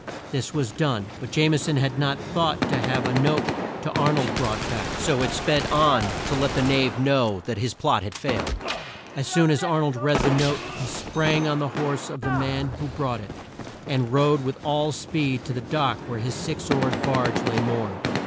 This was done, but Jame son had not thought to have the note to Ar nold brought back, so it sped on to let the knave know that his plot had failed. As soon as Ar nold read the note he sprang on the horse of the man who brought it, and rode with all speed to the dock where his six oared barge lay moored.